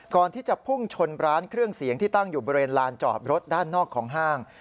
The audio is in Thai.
ก่อนที่จะพุ่งชนร้านเครื่องเสียงที่ตั้งอยู่บริเวณลานจอดรถด้านนอกของห้าง